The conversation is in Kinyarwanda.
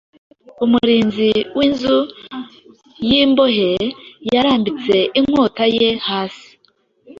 Umurinzi w’inzu y’imbohe yarambitse inkota ye hasi,